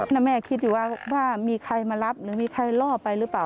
แล้วแม่คิดอยู่ว่ามีใครมารับหรือมีใครล่อไปหรือเปล่า